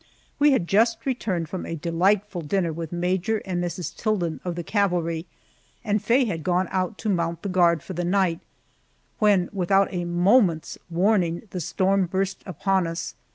We had just returned from a delightful dinner with Major and Mrs. Tilden, of the cavalry, and Faye had gone out to mount the guard for the night, when, without a moment's warning, the storm burst upon us.